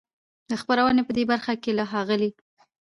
د خپرونې په دې برخه کې له ښاغلي